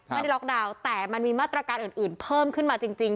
ล็อกดาวน์แต่มันมีมาตรการอื่นเพิ่มขึ้นมาจริง